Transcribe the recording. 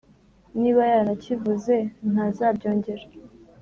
niba yaranakivuze, ntazabyongera.